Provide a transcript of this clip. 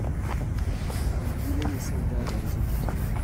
On brûlait les soldats dans les hôpitaux.